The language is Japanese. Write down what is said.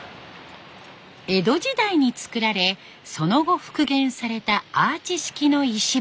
江戸時代に造られその後復元されたアーチ式の石橋。